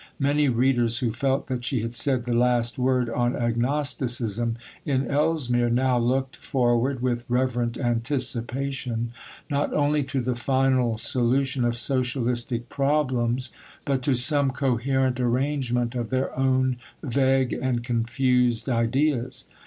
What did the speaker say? Many readers, who felt that she had said the last word on agnosticism in Elsmere, now looked forward with reverent anticipation not only to the final solution of socialistic problems, but to some coherent arrangement of their own vague and confused ideas.